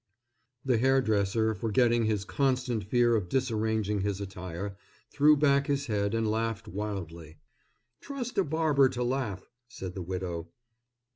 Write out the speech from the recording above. The hairdresser, forgetting his constant fear of disarranging his attire, threw back his head and laughed wildly. "Trust a barber to laugh," said the widow.